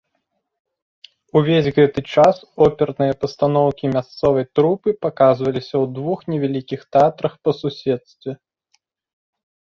Увесь гэты час оперныя пастаноўкі мясцовай трупы паказваліся ў двух невялікіх тэатрах па суседстве.